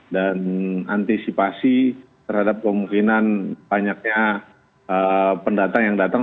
dan antisipasi terhadap kemungkinan banyaknya pendatang yang datang